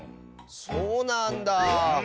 そうなんだ。